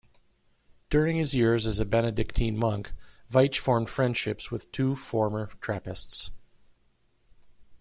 During his years as a Benedictine monk, Veitch formed friendships with two former Trappists.